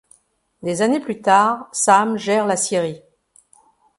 Des années plus tard, Sam gère la scierie.